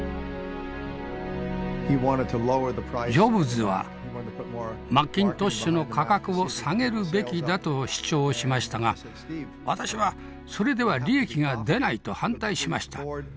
ジョブズはマッキントッシュの価格を下げるべきだと主張しましたが私はそれでは利益が出ないと反対しました。